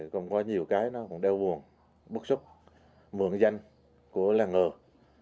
không có nhiều cái nó còn đeo buồn bức xúc mượn danh của làng ngược